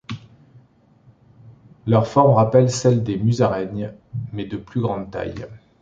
Leur forme rappelle celle des musaraignes, mais de plus grande taille.